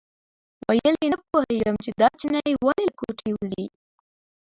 ویل یې نه پوهېږم چې دا چینی ولې له کوټې وځي.